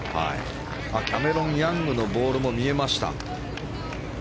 キャメロン・ヤングのボールも見えました。